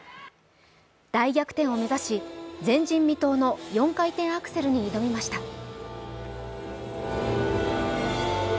大逆転を目指し、前人未到の４回転アクセルに挑みました。